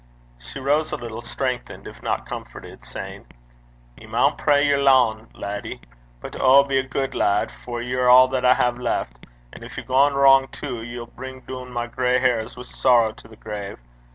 She rose a little strengthened, if not comforted, saying, 'Ye maun pray yer lane, laddie. But oh be a guid lad, for ye're a' that I hae left; and gin ye gang wrang tu, ye'll bring doon my gray hairs wi' sorrow to the grave.